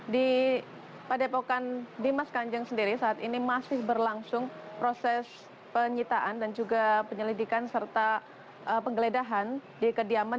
di padepokan dimas kanjeng sendiri saat ini masih berlangsung proses penyitaan dan juga penyelidikan serta penggeledahan di kediaman